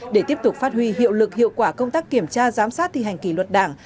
để tiếp tục phát huy hiệu lực hiệu quả công tác kiểm tra giám sát thi hành kỷ luật đảng